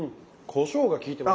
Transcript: こしょうが効いてます。